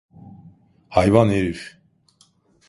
Hayvan herif!